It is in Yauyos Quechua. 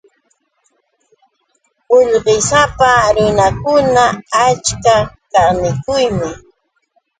Qullqisapa runakuna achka kaqniyuqmi.